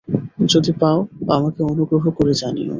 যদি পাও, আমাকে অনুগ্রহ করে জানিও।